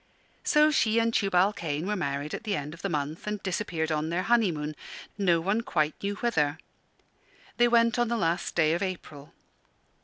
So she and Tubal Cain were married at the end of the month, and disappeared on their honeymoon, no one quite knew whither. They went on the last day of April.